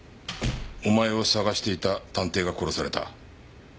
お前を捜していた探偵が殺された。